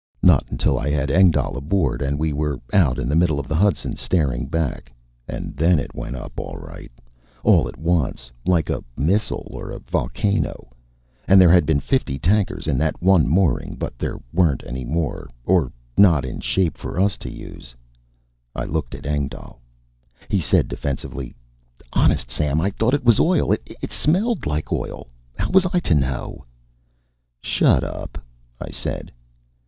Not until I had Engdahl aboard and we were out in the middle of the Hudson, staring back; and then it went up all right, all at once, like a missile or a volcano; and there had been fifty tankers in that one mooring, but there weren't any any more, or not in shape for us to use. I looked at Engdahl. He said defensively: "Honest, Sam, I thought it was oil. It smelled like oil. How was I to know " "Shut up," I said.